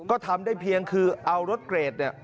ก็ทำได้เพียงคือเอารถเกรดเนี่ย